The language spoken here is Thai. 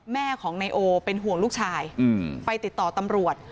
แม่ของนายโอเป็นห่วงลูกชายไปติดต่อตำรวจ